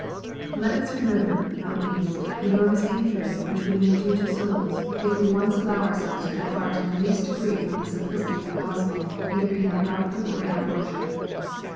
Let us remember, not least, the enormous injury which we may do to souls, if we once allow ourselves to depart in the EVANGELICAL RELIGION. 23. least degree from the simplicity of the Gospel either in our doctrine or in our worship.